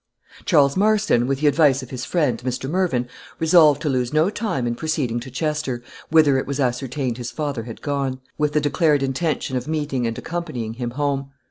Charles Marston, with the advice of his friend, Mr. Mervyn, resolved to lose no time in proceeding to Chester, whither it was ascertained his father had gone, with the declared intention of meeting and accompanying him home.